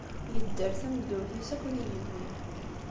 Yedder tameddurt-is akk d igellil.